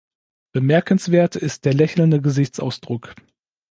Bemerkenswert ist der lächelnde Gesichtsausdruck.